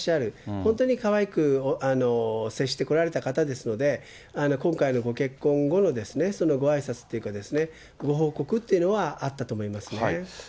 本当にかわいく接してこられた方ですので、今回のご結婚後のごあいさつというか、ご報告というのはあったと思いますよね。